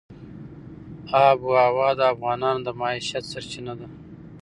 آب وهوا د افغانانو د معیشت سرچینه ده.